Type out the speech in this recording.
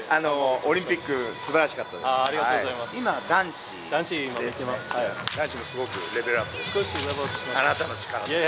オリンピック、すばらしかったです。